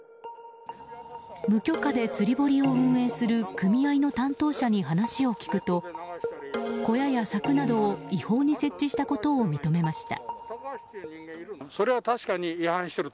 無許可で釣り堀を運営する組合の担当者に話を聞くと小屋や柵などを違法に設置したことを認めました。